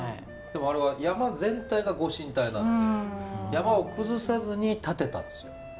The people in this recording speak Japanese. でもあれは山全体がご神体なので山を崩さずに建てたんですよ。